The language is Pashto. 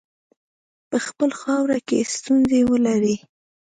په خپله خاوره کې ستونزي ولري.